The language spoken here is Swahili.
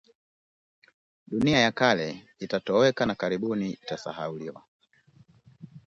Dunia ya kale itatoweka na karibuni itasahauliwa